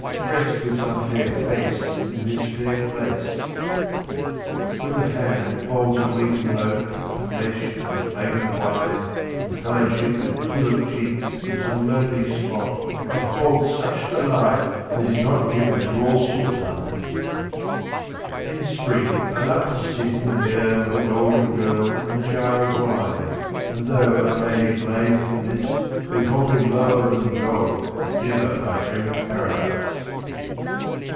Rest with some fair face in this fair place. When the hand holds a wheaten loaf, flesh, and a flagon of wine in fellowship with tulip cheeks 6 QUATRAINS OF OMAR KHAYYAM in some lonely spot, behold such delight as is not given to all sultans. In spring I love to sit in the meadow with a golden girl and a jar of wine, and though I may be blamed for this, yet hold me lower than dog if ever I dream of Paradise.